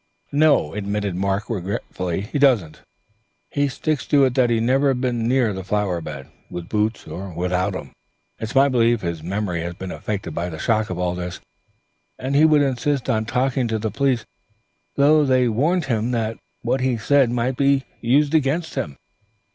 "No," admitted Mark regretfully. "He doesn't. He sticks to it that he'd never been near the flower bed, with boots, or without them; it's my belief his memory has been affected by the shock of all this. And he would insist on talking to the police, though they warned him that what he said might be used against him.